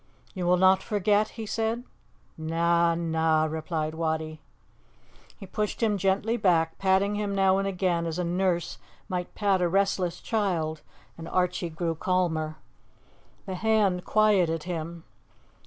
"You will not forget?" he said. "Na, na," replied Wattie. He pushed him gently back, patting him now and again as a nurse might pat a restless child, and Archie grew calmer. The hand quieted him.